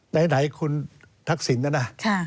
ไหนคุณทักศิลป์นะ